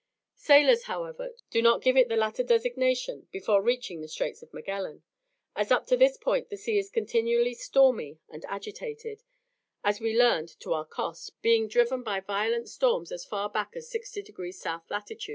Sailors, however, do not give it the latter designation before reaching the Straits of Magellan, as up to this point the sea is continually stormy and agitated, as we learned to our cost, being driven by violent storms as far back as 60 degrees South lat.